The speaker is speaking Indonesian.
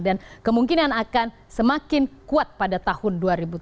dan kemungkinan akan semakin kuat pada tahun dua ribu tujuh belas